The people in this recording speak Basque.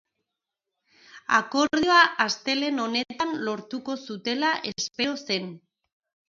Akordioa astelehen honetan lortuko zutela espero zen.